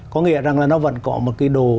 có nghĩa rằng là nó vẫn có một cái đồ